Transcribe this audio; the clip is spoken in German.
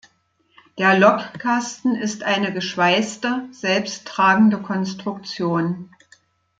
Der Lokkasten ist eine geschweißte, selbsttragende Konstruktion.